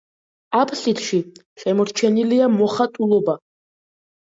აბსიდში შემორჩენილია მოხატულობა.